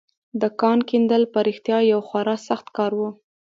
د کان کیندل په رښتيا يو خورا سخت کار و.